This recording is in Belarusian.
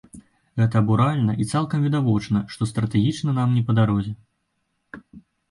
Гэта абуральна, і цалкам відавочна, што стратэгічна нам не па дарозе.